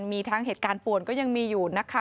มีทั้งเหตุการณ์ป่วนก็ยังมีอยู่นะคะ